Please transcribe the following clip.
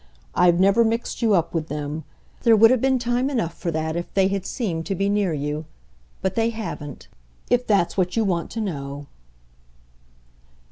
I've never mixed you up with them; there would have been time enough for that if they had seemed to be near you. But they haven't if that's what you want to know."